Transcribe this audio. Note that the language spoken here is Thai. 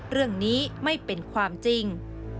เรื่องนี้ไม่เป็นความจริง